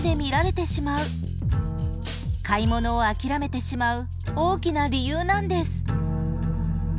買い物を諦めてしまう大きな理由なんです。